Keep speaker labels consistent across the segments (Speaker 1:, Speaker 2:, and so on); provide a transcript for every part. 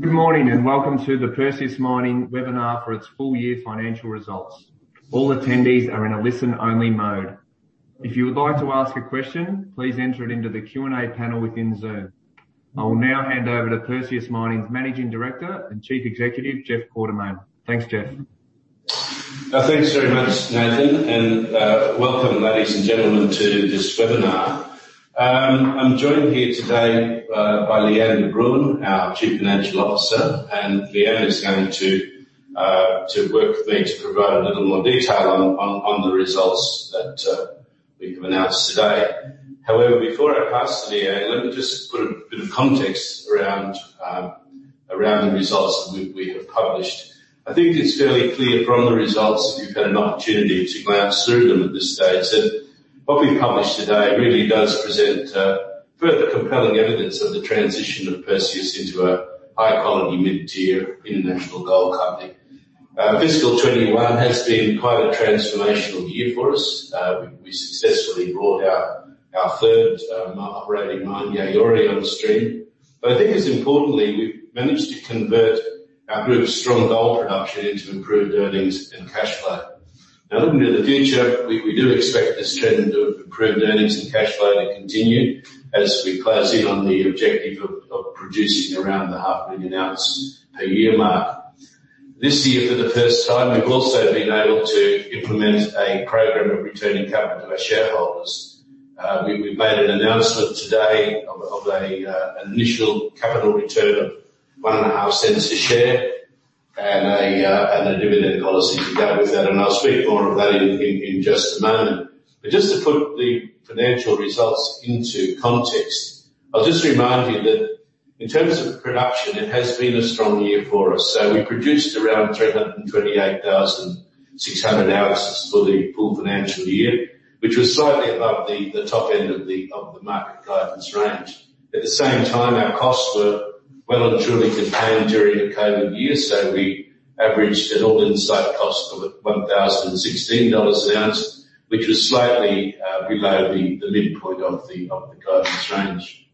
Speaker 1: Good morning, and welcome to the Perseus Mining webinar for its full year financial results. All attendees are in a listen-only mode. If you would like to ask a question, please enter it into the Q and A panel within Zoom. I will now hand over to Perseus Mining's Managing Director and Chief Executive, Jeff Quartermaine. Thanks, Jeff.
Speaker 2: Thanks very much, Nathan. Welcome, ladies and gentlemen, to this webinar. I'm joined here today by Lee-Anne de Bruin, our Chief Financial Officer, and Lee-Anne is going to work with me to provide a little more detail on the results that we have announced today. However, before I pass to Lee-Anne, let me just put a bit of context around the results we have published. I think it's fairly clear from the results, if you've had an opportunity to glance through them at this stage, that what we've published today really does present further compelling evidence of the transition of Perseus into a high-quality, mid-tier international gold company. FY 2021 has been quite a transformational year for us. We successfully brought our third operating mine, Yaouré, on the stream. I think as importantly, we've managed to convert our group's strong gold production into improved earnings and cash flow. Looking to the future, we do expect this trend of improved earnings and cash flow to continue as we close in on the objective of producing around the 500,000 oz per year mark. This year, for the first time, we've also been able to implement a program of returning capital to our shareholders. We made an announcement today of an initial capital return of 0.015 a share and a dividend policy to go with that, and I'll speak more of that in just a moment. Just to put the financial results into context, I'll just remind you that in terms of production, it has been a strong year for us. We produced around 328,600 oz for the full financial year, which was slightly above the top end of the market guidance range. At the same time, our costs were well and truly contained during the COVID-19 year, so we averaged an all-in site cost of 1,016 dollars an ounce, which was slightly below the midpoint of the guidance range.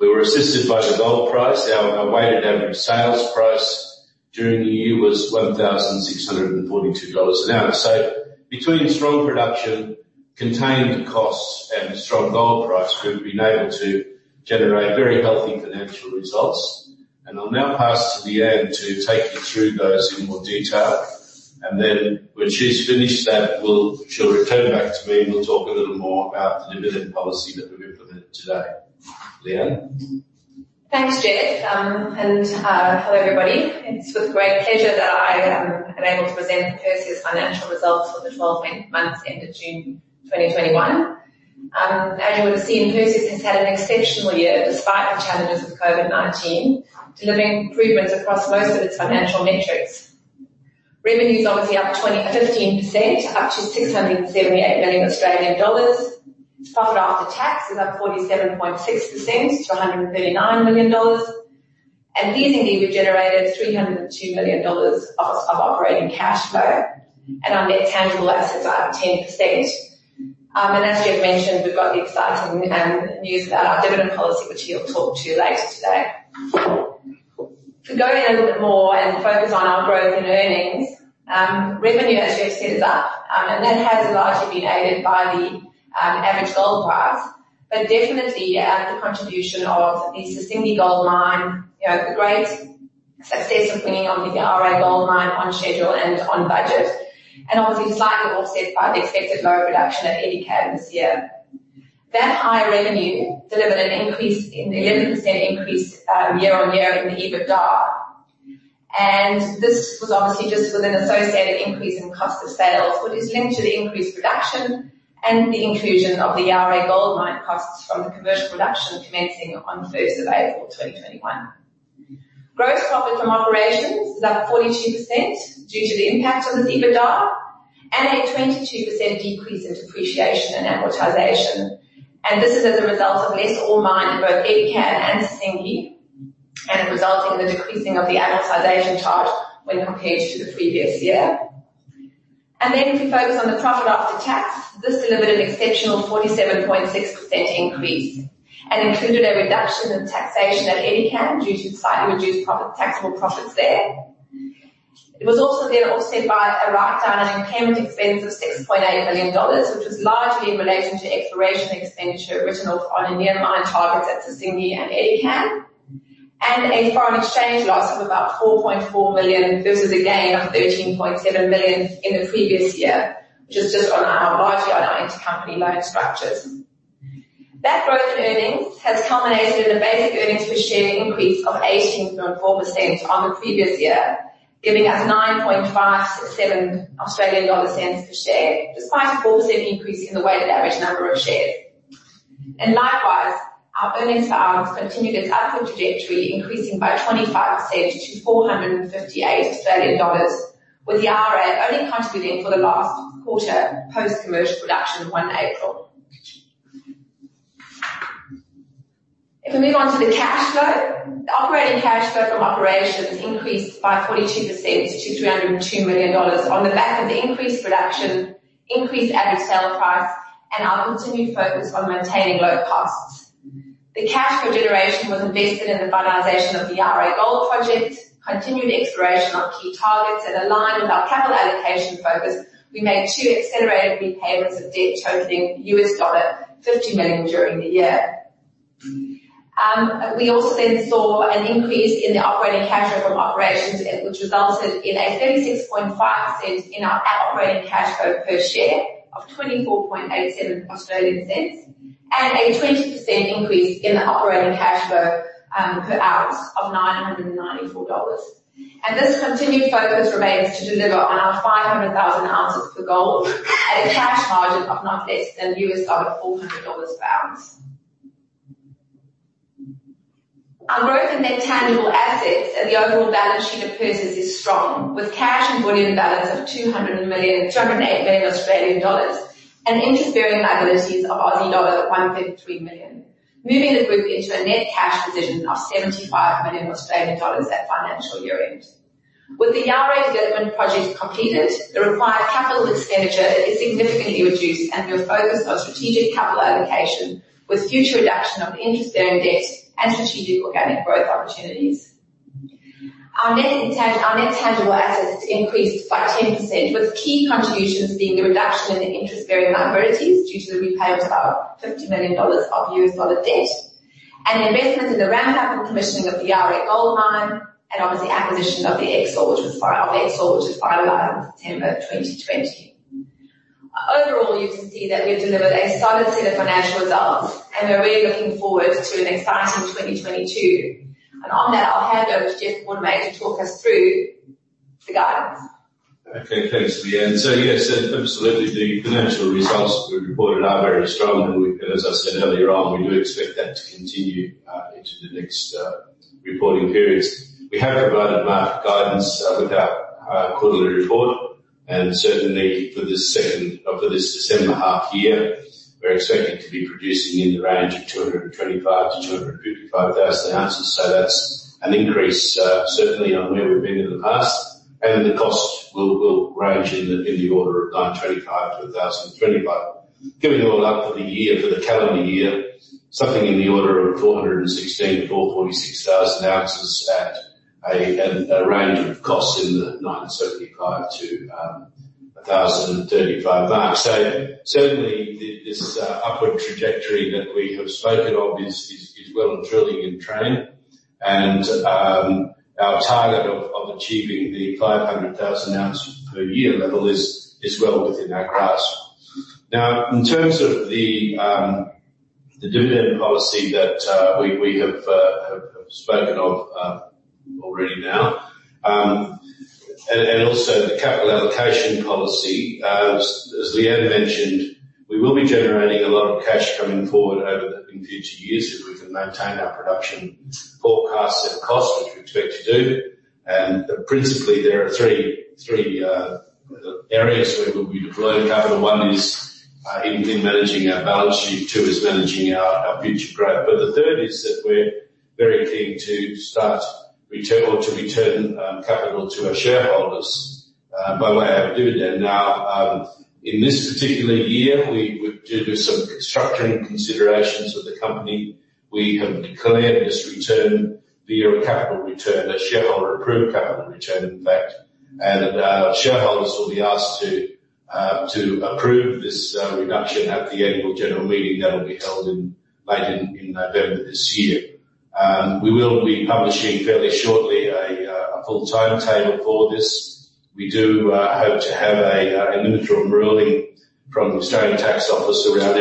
Speaker 2: We were assisted by the gold price. Our weighted average sales price during the year was 1,642 dollars an ounce. Between strong production, contained costs, and strong gold price, we've been able to generate very healthy financial results. I'll now pass to Lee-Anne to take you through those in more detail. When she's finished that, she'll return back to me, and we'll talk a little more about the dividend policy that we've implemented today. Lee-Anne?
Speaker 3: Thanks, Jeff. Hello, everybody. It's with great pleasure that I am able to present Perseus financial results for the 12 months ended June 2021. As you would have seen, Perseus has had an exceptional year despite the challenges of COVID-19, delivering improvements across most of its financial metrics. Revenue is obviously up 15%, up to 678 million Australian dollars. Profit after tax is up 47.6% to AUD 139 million. These indeed generated AUD 302 million of operating cash flow and our net tangible assets are up 10%. As Jeff mentioned, we've got the exciting news about our dividend policy, which he'll talk to later today. To go in a little bit more and focus on our growth and earnings, revenue, as Jeff said, is up, and that has largely been aided by the average gold price, but definitely the contribution of the Sissingué Gold Mine, the great success of bringing on the Yaouré Gold Mine on schedule and on budget, and obviously slightly offset by the expected lower production at Edikan this year. That high revenue delivered an 11% increase year-over-year in the EBITDA. This was obviously just with an associated increase in cost of sales, which is linked to the increased production and the inclusion of the Yaouré Gold Mine costs from the commercial production commencing on the 1st of April 2021. Gross profit from operations is up 42% due to the impact on the EBITDA and a 22% decrease in depreciation and amortization. This is as a result of less ore mined in both Edikan and Sissingué and resulting in the decreasing of the amortization charge when compared to the previous year. If we focus on the profit after tax, this delivered an exceptional 47.6% increase and included a reduction in taxation at Edikan due to slightly reduced taxable profits there. It was also offset by a write-down in impairment expense of 6.8 million dollars, which was largely in relation to exploration expenditure written off on near-mine targets at Sissingué and Edikan, and a foreign exchange loss of about 4.4 million versus a gain of 13.7 million in the previous year, which is just largely on our intercompany loan structures. That growth in earnings has culminated in a basic earnings per share increase of 18.4% on the previous year, giving us AUD 0.0957 per share, despite a 4% increase in the weighted average number of shares. Likewise, our earnings per ounce continued its upward trajectory, increasing by 25% to 458 Australian dollars, with Yaouré only contributing for the last quarter post commercial production of 1 April. If I move on to the cash flow, the operating cash flow from operations increased by 42% to 302 million dollars on the back of the increased production, increased average sale price, and our continued focus on maintaining low costs. The cash flow generation was invested in the finalisation of the Yaouré Gold Project, continued exploration of key targets, and aligned with our capital allocation focus, we made two accelerated repayments of debt totaling $50 million during the year. We also saw an increase in the operating cash flow from operations, which resulted in a 36.5% in our operating cash flow per share of 0.2487, and a 20% increase in the operating cash flow per ounce of 994 dollars. This continued focus remains to deliver on our 500,000 oz of gold at a cash margin of not less than $400 an ounce. Our growth in net tangible assets and the overall balance sheet of Perseus is strong, with cash and bullion balance of 208 million Australian dollars and interest-bearing liabilities of 133 million Aussie dollars, moving the group into a net cash position of 75 million Australian dollars at financial year-end. With the Yaouré Development Project completed, the required capital expenditure is significantly reduced and we are focused on strategic capital allocation with future reduction of interest-bearing debt and strategic organic growth opportunities. Our net tangible assets increased by 10%, with key contributions being the reduction in the interest-bearing liabilities due to the repayment of our $50 million of US dollar debt and the investment in the ramp-up and commissioning of the Yaouré Gold Mine and obviously acquisition of the Exore, which was finalized September 2020. Overall, you can see that we've delivered a solid set of financial results and we're really looking forward to an exciting 2022. On that, I'll hand over to Jeff Quartermaine to talk us through the guidance.
Speaker 2: Okay. Thanks, Lee-Anne. Yes, absolutely, the financial results we've reported are very strong and as I said earlier on, we do expect that to continue into the next reporting periods. We have provided market guidance with our quarterly report and certainly for this December half year, we're expecting to be producing in the range of 225,000 oz-255,000 oz. That's an increase certainly on where we've been in the past, and the cost will range in the order of 925-1,025. Given all that for the year, for the calendar year, something in the order of 416,000 oz-446,000 oz at a range of costs in the 975-1,035 mark. Certainly this upward trajectory that we have spoken of is well and truly in train. Our target of achieving the 500,000 oz per year level is well within our grasp. Now, in terms of the dividend policy that we have spoken of already, and also the capital allocation policy, as Lee-Anne mentioned, we will be generating a lot of cash coming forward in future years if we can maintain our production forecasts and costs, which we expect to do. Principally, there are three areas where we will be deploying capital. One is in managing our balance sheet, two is managing our future growth, but the third is that we're very keen to return capital to our shareholders by way of a dividend. Now, in this particular year, due to some restructuring considerations of the company, we have declared this return via a capital return, a shareholder approved capital return, in fact. Shareholders will be asked to approve this reduction at the annual general meeting that will be held later in November this year. We will be publishing fairly shortly a full timetable for this. We do hope to have a neutral ruling from the Australian Taxation Office around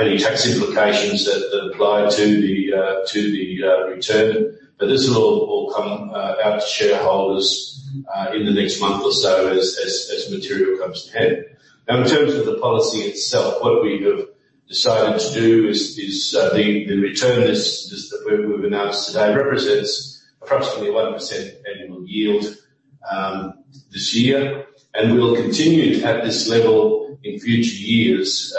Speaker 2: any tax implications that apply to the return. This will all come out to shareholders in the next month or so as material comes to hand. In terms of the policy itself, what we have decided to do is the return is that we've announced today represents approximately 1% annual yield this year. We will continue to have this level in future years,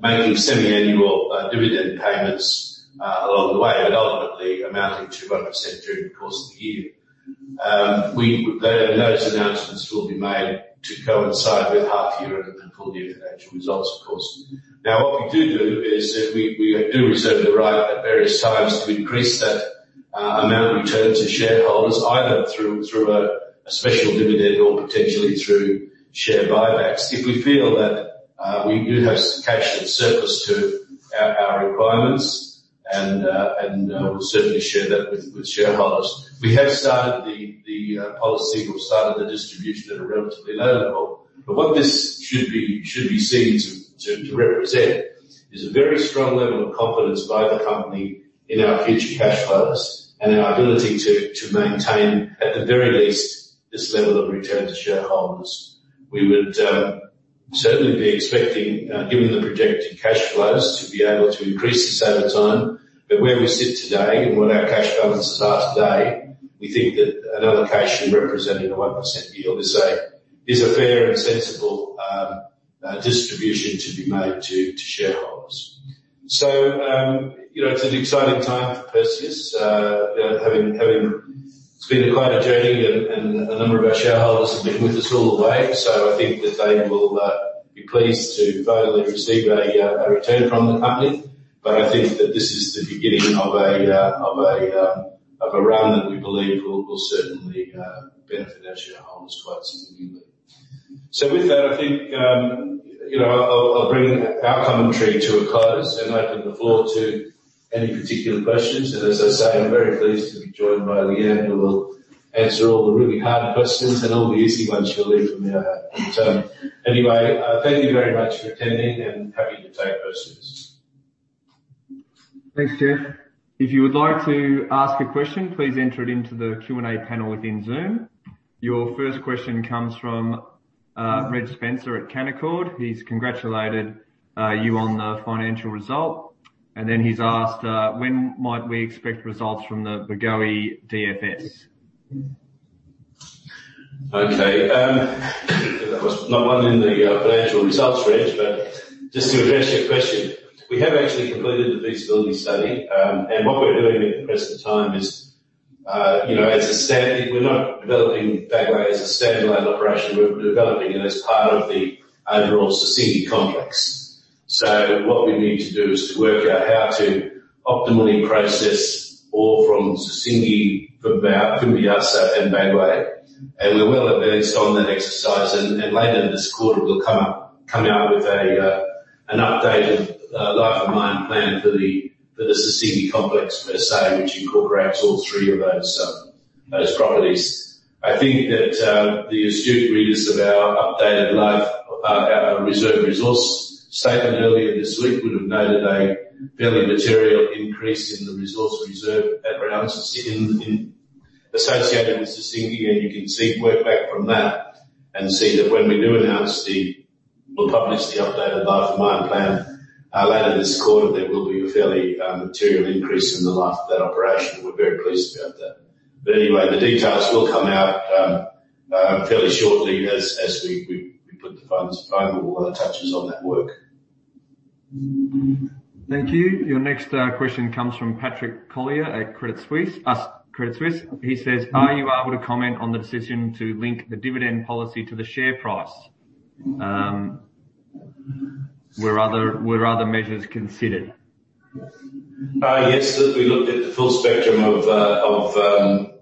Speaker 2: making semi-annual dividend payments along the way, but ultimately amounting to 1% during the course of the year. Those announcements will be made to coincide with half year and full year financial results of course. What we do is that we do reserve the right at various times to increase that amount return to shareholders either through a special dividend or potentially through share buybacks. If we feel that we do have cash that's surplus to our requirements and we'll certainly share that with shareholders. We have started the policy or started the distribution at a relatively low level. What this should be seen to represent is a very strong level of confidence by the company in our future cash flows and our ability to maintain, at the very least, this level of return to shareholders. We would certainly be expecting, given the projected cash flows, to be able to increase this over time. Where we sit today and what our cash balances are today, we think that an allocation representing a 1% yield is a fair and sensible distribution to be made to shareholders. You know, it's an exciting time for Perseus. You know, it's been quite a journey, and a number of our shareholders have been with us all the way. I think that they will be pleased to finally receive a return from the company. I think that this is the beginning of a run that we believe will certainly benefit our shareholders quite significantly. With that, I think I'll bring our commentary to a close and open the floor to any particular questions. As I say, I'm very pleased to be joined by Lee-Anne, who will answer all the really hard questions, and all the easy ones she'll leave for me, I hope. Anyway, thank you very much for attending and happy to take questions.
Speaker 1: Thanks, Jeff. If you would like to ask a question, please enter it into the Q and A panel within Zoom. Your first question comes from Reg Spencer at Canaccord. He's congratulated you on the financial result, and then he's asked, "When might we expect results from the Bagoé DFS?
Speaker 2: Okay. That was not one in the financial results, Reg Spencer, just to address your question, we have actually completed the feasibility study. What we're doing at the present time is, we're not developing Bagoé as a standalone operation. We're developing it as part of the overall Sissingué complex. What we need to do is to work out how to optimally process ore from Sissingué, from Bagoé, from Fimbiasso, and Bagoé. We're well advanced on that exercise, later this quarter, we'll come out with an updated life of mine plan for the Sissingué complex per se, which incorporates all three of those properties. I think that the astute readers of our updated reserve resource statement earlier this week would have noted a fairly material increase in the resource reserve around associated with Sissingué, and you can work back from that and see that when we do publish the updated life of mine plan later this quarter, there will be a fairly material increase in the life of that operation. We're very pleased about that. Anyway, the details will come out fairly shortly as we put the final touches on that work.
Speaker 1: Thank you. Your next question comes from Patrick Collier at Credit Suisse. He says, "Are you able to comment on the decision to link the dividend policy to the share price? Were other measures considered?
Speaker 2: Yes. We looked at the full spectrum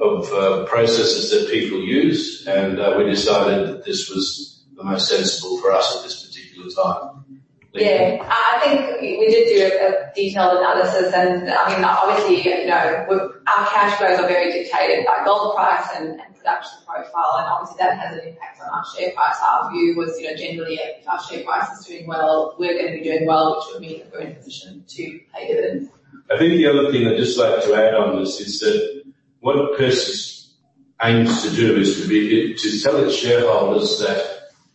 Speaker 2: of processes that people use. We decided that this was the most sensible for us at this particular time. Lee-Anne?
Speaker 3: Yeah. I think we did do a detailed analysis. Obviously, our cash flows are very dictated by gold price and production profile. Obviously, that has an impact on our share price. Our view was generally if our share price is doing well, we're going to be doing well, which would mean that we're in a position to pay dividends.
Speaker 2: I think the other thing I'd just like to add on this is that what Perseus aims to do is to tell its shareholders that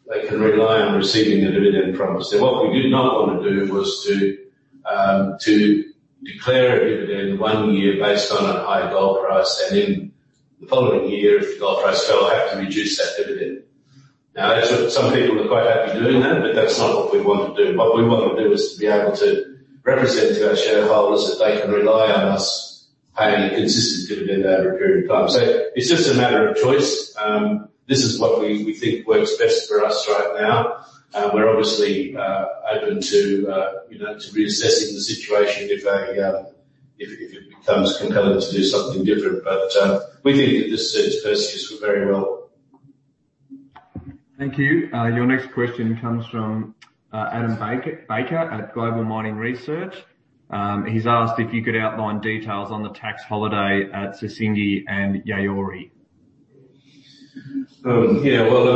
Speaker 2: they can rely on receiving the dividend from us. What we did not want to do was to declare a dividend one year based on a high gold price, and in the following year, if the gold price fell, have to reduce that dividend. Some people are quite happy doing that, but that's not what we want to do. What we want to do is to be able to represent to our shareholders that they can rely on us paying a consistent dividend over a period of time. It's just a matter of choice. This is what we think works best for us right now. We're obviously open to reassessing the situation if it becomes compelling to do something different. We think that this suits Perseus very well.
Speaker 1: Thank you. Your next question comes from Adam Baker at Global Mining Research. He's asked if you could outline details on the tax holiday at Sissingué and Yaouré.
Speaker 2: Yeah. Well,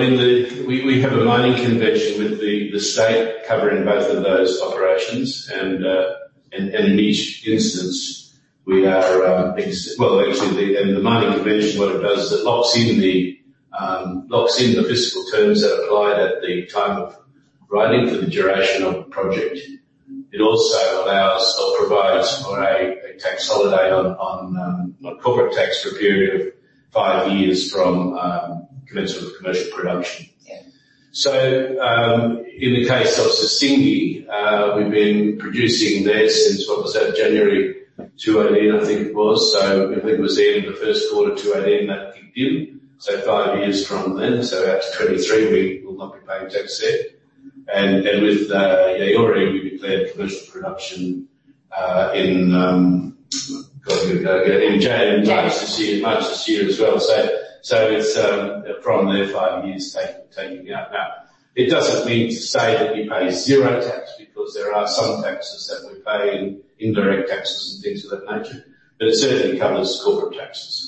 Speaker 2: we have a mining convention with the state covering both of those operations. In each instance, we are actually, in the mining convention, what it does is it locks in the fiscal terms that applied at the time of writing for the duration of the project. It also allows or provides for a tax holiday on corporate tax for a period of five years from commencement of commercial production.
Speaker 3: Yeah.
Speaker 2: In the case of Sissingué, we've been producing there since, what was that? January 2018, I think it was. I think it was the end of the first quarter 2018 that kicked in. Five years from then. Out to 2023, we will not be paying tax there. With Yaouré, we declared commercial production in, God, where did I go? In March this year.
Speaker 3: March.
Speaker 2: March this year as well. It's from there, five years taken me up. It doesn't mean to say that we pay zero tax because there are some taxes that we pay, indirect taxes and things of that nature. It certainly covers corporate taxes.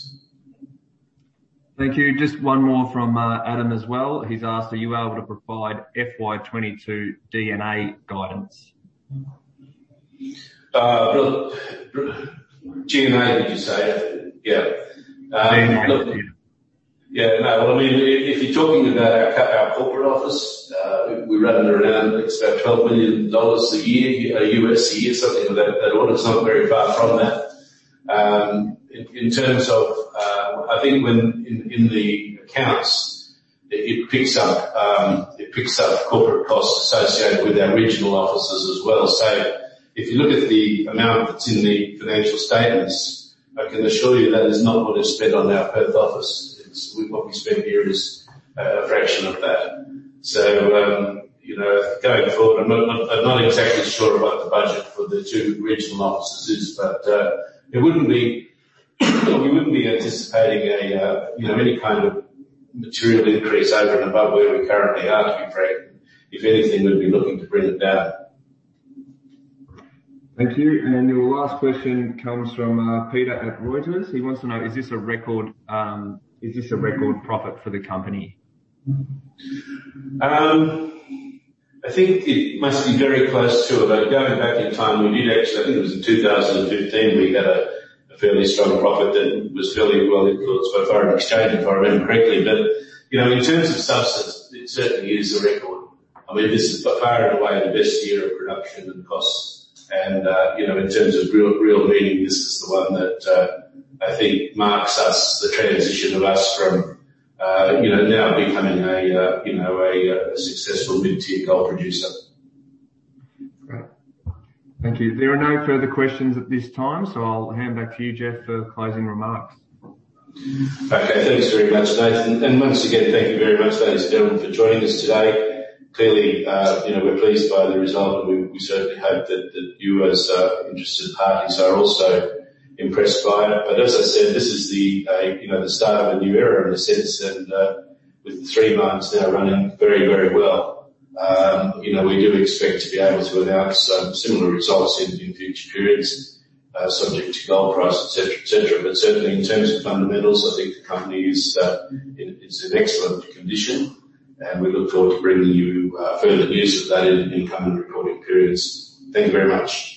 Speaker 1: Thank you. Just one more from Adam as well. He's asked, "Are you able to provide FY 2022 D&A guidance?
Speaker 2: G&A, did you say? Yeah.
Speaker 1: D&A.
Speaker 2: Yeah, no. Well, if you're talking about our corporate office, we run at around, it's about $12 million a year U.S. a year, something of that order. It's not very far from that. In terms of, I think in the accounts, it picks up corporate costs associated with our regional offices as well. If you look at the amount that's in the financial statements, I can assure you that is not what is spent on our Perth office. What we spend here is a fraction of that. Going forward, I'm not exactly sure about the budget for the two regional offices, but we wouldn't be anticipating any kind of material increase over and above where we currently are, to be frank. If anything, we'd be looking to bring it down.
Speaker 1: Thank you. Your last question comes from Peter at Reuters. He wants to know, is this a record profit for the company?
Speaker 2: I think it must be very close to it. Going back in time, we did actually. I think it was in 2015, we had a fairly strong profit that was fairly well influenced by foreign exchange, if I remember correctly. In terms of substance, it certainly is a record. This is by far and away the best year of production and costs. In terms of real meaning, this is the one that I think marks us, the transition of us from now becoming a successful mid-tier gold producer.
Speaker 1: Great. Thank you. There are no further questions at this time. I'll hand back to you, Jeff, for closing remarks.
Speaker 2: Okay. Thanks very much, Nathan. Once again, thank you very much, ladies and gentlemen, for joining us today. Clearly, we're pleased by the result and we certainly hope that you as interested parties are also impressed by it. As I said, this is the start of a new era in a sense. With the three mines now running very, very well, we do expect to be able to announce similar results in future periods, subject to gold price, et cetera. Certainly in terms of fundamentals, I think the company is in excellent condition, and we look forward to bringing you further news of that in coming reporting periods. Thank you very much.